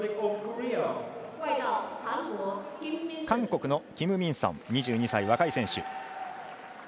韓国のキム・ミンソン、２２歳若い選手。